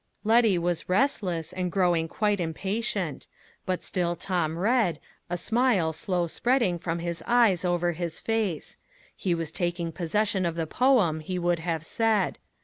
Letty was restless, and growing quite impatient; but still Tom read, a smile slow spreading from his eyes over his face; he was taking possession of the poem, he would have said.